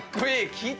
聞いた？